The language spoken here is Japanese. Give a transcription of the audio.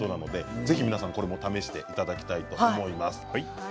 ぜひ、皆さんも試していただきたいと思います。